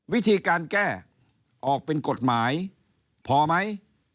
วิธีการแก้ออกเป็นกฎหมายพอไหม